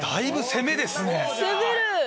攻める！